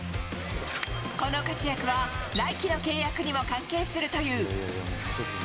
この活躍は、来季の契約にも関係するという。